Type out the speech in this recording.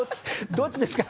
どっちですか？